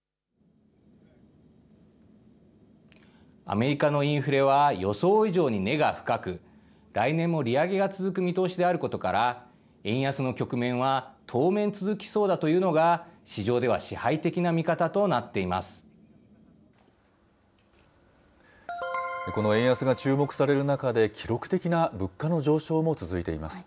アメリカのインフレは予想以上に根が深く、来年も利上げが続く見通しであることから、円安の局面は当面続きそうだというのが、市場では支配的な見方とこの円安が注目される中で、記録的な物価の上昇も続いています。